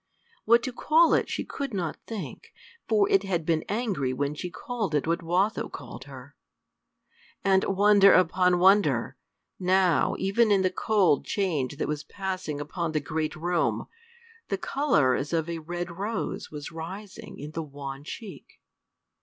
what to call it she could not think, for it had been angry when she called it what Watho called her. And, wonder upon wonder! now, even in the cold change that was passing upon the great room, the color as of a red rose was rising in the wan cheek.